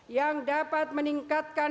yang dapat meningkatkan